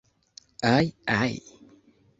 Aj, aj!